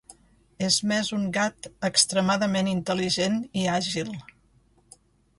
És més un gat extremadament intel·ligent i àgil.